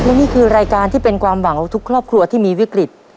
และนี่คือรายการที่เป็นความหวังของทุกครอบครัวที่มีวิกฤต